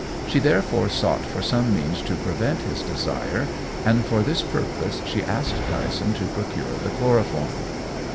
She therefore sought for some means to prevent his desire, and for this purpose she asked Dyson to procure the chloroform.